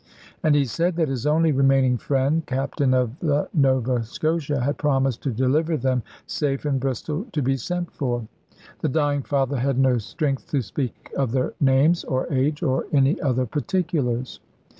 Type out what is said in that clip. And he said that his only remaining friend, captain of the Nova Scotia, had promised to deliver them safe in Bristol, to be sent for. The dying father had no strength to speak of their names, or age, or any other particulars.